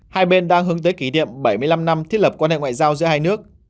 hai bên đang hướng tới kỷ niệm bảy mươi năm năm thiết lập quan hệ ngoại giao giữa hai nước